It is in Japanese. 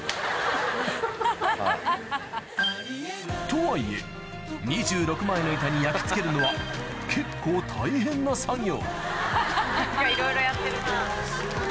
とはいえ２６枚の板に焼き付けるのは結構大変な作業何かいろいろやってるな。